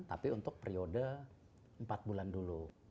tapi untuk periode empat bulan dulu